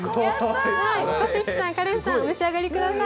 小関さん、花恋さん、お召し上がりください。